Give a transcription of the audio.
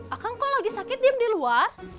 akang kok lagi sakit diem di luar